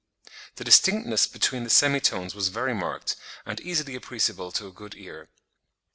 The distinctness between the semitones was very marked, and easily appreciable to a good ear."